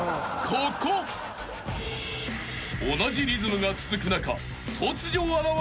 ［同じリズムが続く中］